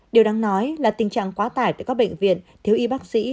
điều đáng nói là tình trạng quá tải tại các bệnh viện thiếu y bác sĩ